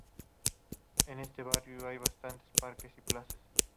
En este barrio hay bastantes parques y plazas.